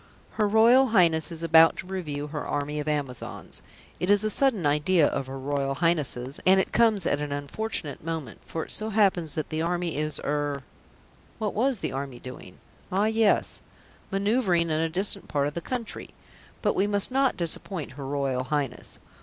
"Her Royal Highness is about to review her Army of Amazons. It is a sudden idea of her Royal Highness's, and it comes at an unfortunate moment, for it so happens that the Army is er " What was the Army doing? Ah, yes "manoeuvring in a distant part of the country. But we must not disappoint her Royal Highness.